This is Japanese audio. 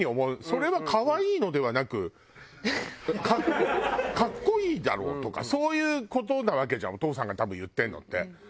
「それは可愛いのではなく“格好いい”だろ」とかそういう事なわけじゃんお父さんが多分言ってるのって。